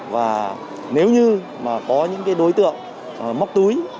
và nếu như có những đối tượng móc túi